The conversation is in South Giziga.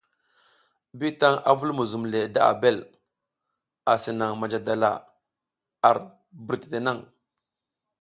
Bitan a vul muzum le da Abel, asi naŋ manja dala ar birtete naŋ.